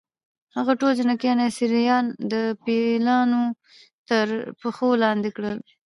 هغه ټول جنګي اسیران د پیلانو تر پښو لاندې کړل.